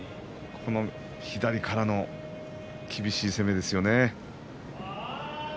左からの厳しい攻めですよね。